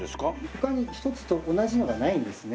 他に一つと同じものがないんですね。